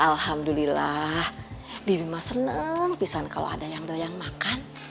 alhamdulillah bibi mah seneng pisang kalo ada yang doyang makan